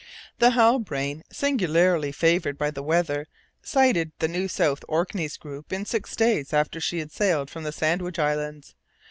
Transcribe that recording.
The Halbrane, singularly favoured by the weather, sighted the New South Orkneys group in six days after she had sailed from the Sandwich Islands.